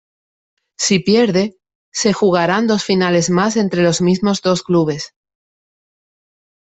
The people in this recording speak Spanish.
Si pierde, se jugarán dos finales más entre los mismos dos clubes.